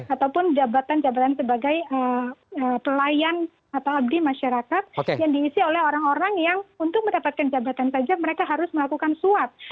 ataupun jabatan jabatan sebagai pelayan atau abdi masyarakat yang diisi oleh orang orang yang untuk mendapatkan jabatan saja mereka harus melakukan suap